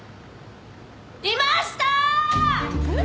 いました！えっ？